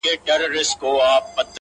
سړي وویل د کاکا زوی دي حاکم دئ!!